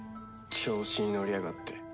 調子にのりやがって。